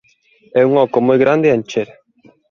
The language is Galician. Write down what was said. É un oco moi grande a encher.